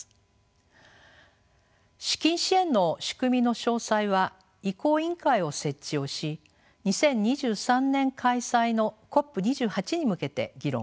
資金支援の仕組みの詳細は移行委員会を設置をし２０２３年開催のＣＯＰ２８に向けて議論をします。